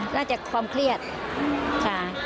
น่าจะความเครียดค่ะ